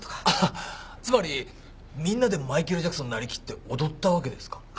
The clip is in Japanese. アハつまりみんなでマイケル・ジャクソンなりきって踊ったわけですか？